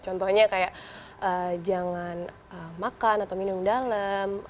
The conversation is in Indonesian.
contohnya kayak jangan makan atau minum dalam